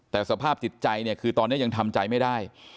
แต่สภาพจิตใจเนี่ยคือตอนนี้ยังทำใจไม่ได้